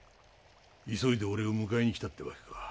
急いで俺を迎えにきたってわけか。